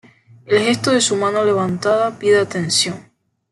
El gesto de su mano levantada pide atención.